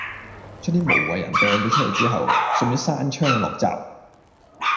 將啲無謂人掟咗出去之後，順便閂窗落閘